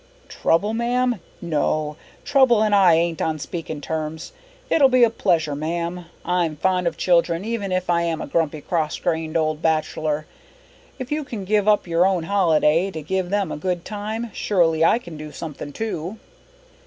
Trouble, ma'am? No, trouble and I ain't on speaking terms. It'll be a pleasure, ma'am. I'm fond of children even if I am a grumpy cross grained old bachelor. If you can give up your own holiday to give them a good time, surely I can do something too."